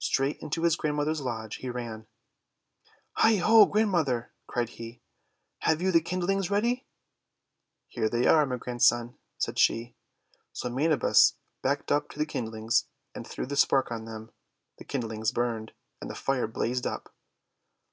Straight into his grandmother's lodge he ran. "Heigh! Ho! Grandmother!" cried he. "Have you the kindlings ready?' "Here they are, my Grandson," said she. So Manabus backed up to the kindlings, and threw the spark on them. The kindlings burned, and the Fire blazed up.